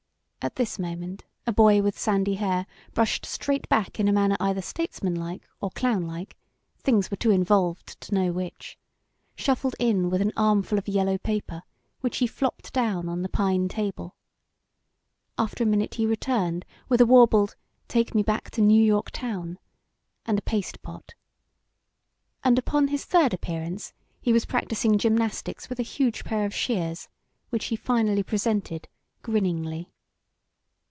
At this moment a boy with sandy hair brushed straight back in a manner either statesmanlike or clownlike things were too involved to know which shuffled in with an armful of yellow paper which he flopped down on the pine table. After a minute he returned with a warbled "Take Me Back to New York Town" and a paste pot. And upon his third appearance he was practising gymnastics with a huge pair of shears, which he finally presented, grinningly.